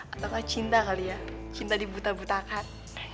atau lah cinta kali ya cinta dibutah butahkan